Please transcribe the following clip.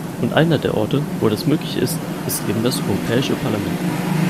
Und einer der Orte, wo das möglich ist, ist eben das Europäische Parlament.